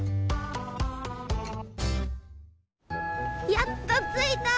やっとついた。